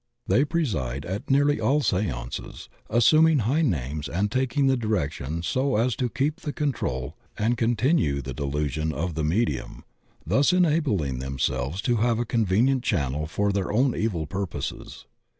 They preside at nearly all seances, assuming high names and taking the direction so as to THE WICKED AND SUICIDES IN KAMA LOKA 107 keep the contrcd and continue the delusion of the me dium, thus enabling themselves to have a convenient channel for their own evil purposes.